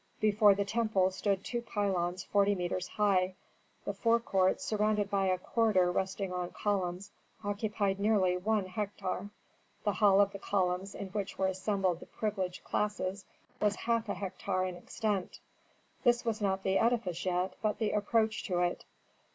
Before the temple stood two pylons forty metres high. The forecourt, surrounded by a corridor resting on columns, occupied nearly one hectare, the hall of columns in which were assembled the privileged classes was half a hectare in extent. This was not the edifice yet, but the approach to it.